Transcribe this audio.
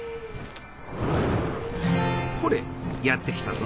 ほれやって来たぞ。